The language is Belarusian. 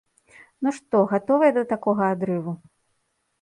Ну што, гатовыя да такога адрыву?